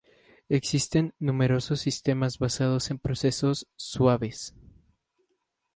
Existen numerosos sistemas basados en procesos "suaves".